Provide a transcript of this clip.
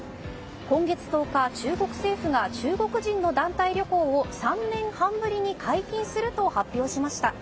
今月１０日中国政府が中国人の団体旅行を３年半ぶりに解禁すると発表しました。